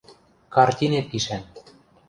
– Картинет гишӓн...